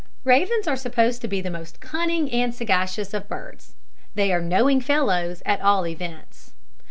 Ravens are supposed to be the most cunning and sagacious of birds. They are knowing fellows, at all events.